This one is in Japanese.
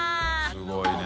すごいね。